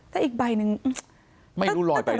แต่อีกใบหนึ่งไม่รู้ลอยไปไหน